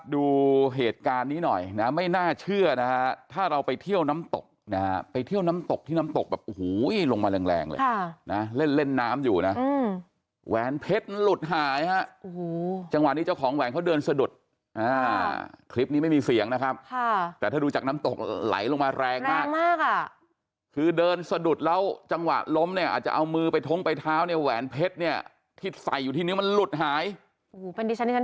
ดูเหตุการณ์นี้หน่อยนะไม่น่าเชื่อนะถ้าเราไปเที่ยวน้ำตกนะไปเที่ยวน้ำตกที่น้ำตกแบบหูลงมาแรงเลยนะเล่นเล่นน้ำอยู่นะแหวนเพชรหลุดหายฮะจังหวะนี้เจ้าของแหวนเขาเดินสะดุดคลิปนี้ไม่มีเสียงนะครับแต่ถ้าดูจากน้ำตกไหลลงมาแรงมากคือเดินสะดุดแล้วจังหวะล้มเนี่ยอาจจะเอามือไปท้องไปเท้าเนี่ยแหวน